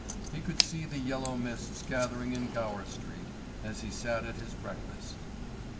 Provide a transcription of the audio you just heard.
He could see the yellow mists gathering in Gower Street, as he sat at his breakfast.